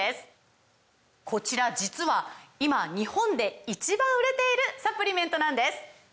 こちら実は今日本で１番売れているサプリメントなんです！